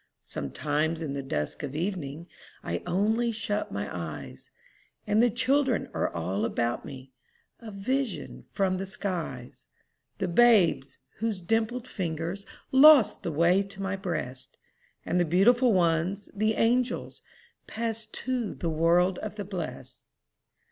Sometimes, in the dusk of evening, I only shut my eyes, And the children are all about me, A vision from the skies: The babes whose dimpled fingers Lost the way to my breast, And the beautiful ones, the angels, Passed to the world of the blest.